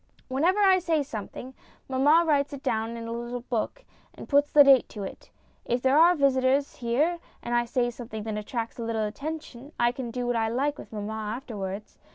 Whenever I say something, mamma writes it down in a little book, and puts the date to it. If there are visitors here and I say something that attracts a little attention, I can do what I like with mamma afterwards.